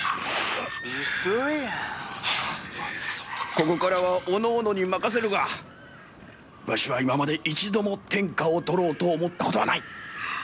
ここからはおのおのに任せるがわしは今まで一度も天下を取ろうと思ったことはない。